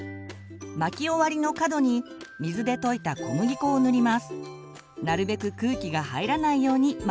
巻き終わりの角に水で溶いた小麦粉を塗ります。